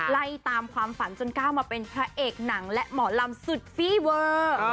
ไล่ตามความฝันจนก้าวมาเป็นพระเอกหนังและหมอลำสุดฟี่เวอร์